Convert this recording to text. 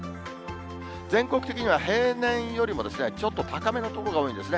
全国的には平年よりもちょっと高めの所が多いんですね。